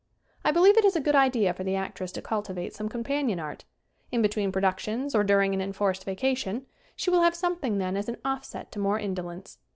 I believe it is a good idea for the actress to cultivate some companion art. In between productions, or during an enforced vacation, she will have something then as an ofT set to mere indolence.